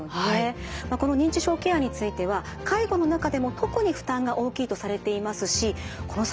この認知症ケアについては介護の中でも特に負担が大きいとされていますしこの先